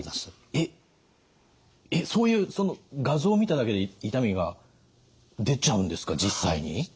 えっそういうその画像を見ただけで痛みが出ちゃうんですか実際に？